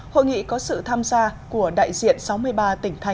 hội nghị có sự tham gia của đại diện sáu mươi ba tỉnh thành và đại diện các bộ ngành liên quan